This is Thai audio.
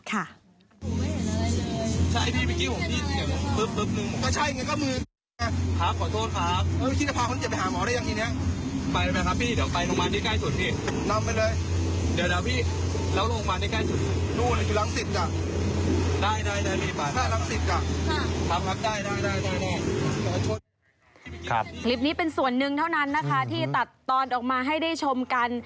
คลิปเป็นส่วนหนึ่งเท่านั้นนะคะที่ตัดตอนออกมาให้ได้ชมกัน